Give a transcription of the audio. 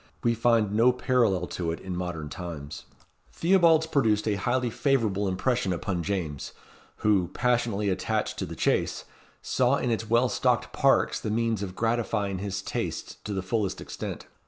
We find no parallel to it in modern times. Theobalds produced a highly favourable impression upon James, who, passionately attached to the chase, saw in its well stocked parks the means of gratifying his tastes to the fullest extent.